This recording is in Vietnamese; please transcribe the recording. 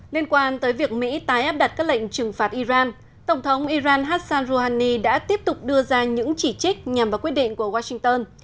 liên quan tới việc mỹ tái áp đặt các lệnh trừng phạt iran tổng thống iran hassan rouhani đã tiếp tục đưa ra những chỉ trích nhằm vào quyết định của washington